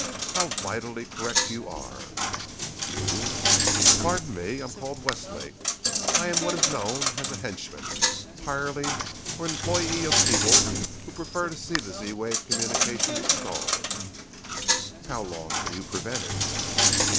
"How vitally correct you are." "You " "Pardon me. I am called Westlake. I am what is known as a henchman, hireling, or employee of people who prefer to see the Z wave communications stalled." "How long can you prevent it?"